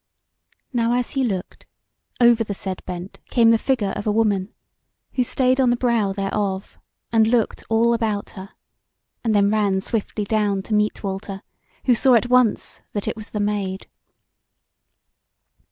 Now as he looked, over the said bent came the figure of a woman, who stayed on the brow thereof and looked all about her, and then ran swiftly down to meet Walter, who saw at once that it was the Maid.